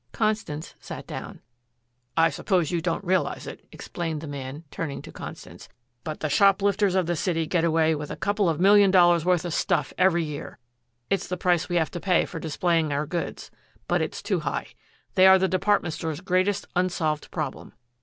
Constance sat down. "I suppose you don't realize it," explained the man, turning to Constance, "but the shoplifters of the city get away with a couple of million dollars' worth of stuff every year. It's the price we have to pay for displaying our goods. But it's too high. They are the department store's greatest unsolved problem.